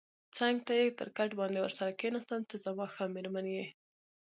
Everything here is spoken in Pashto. څنګ ته یې پر کټ باندې ورسره کېناستم، ته زما ښه مېرمن یې.